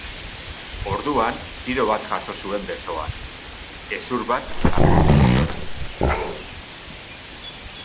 Orduan, tiro bat jaso zuen besoan, hezur bat apurtu ziona.